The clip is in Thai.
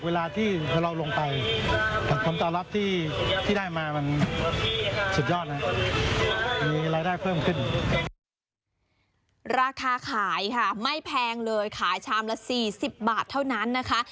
ราคาขายค่ะไม่แพงเลยขายชามละ๔๐บาทเท่านั้นนะคะ